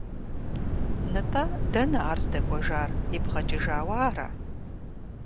НтӀэ, дэнэ ар здэкӀуэжар, ибгъэкӀыжауэ ара?